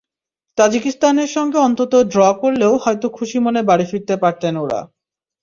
তাজিকিস্তানের সঙ্গে অন্তত ড্র করলেও হয়তো খুশি মনে বাড়ি ফিরতে পারতেন ওরা।